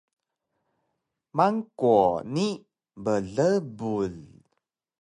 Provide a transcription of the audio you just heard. mang-kwo ni blbul